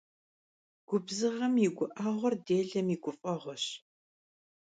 Gubzığem yi gu'eğuer dêlem yi guf'eğueş.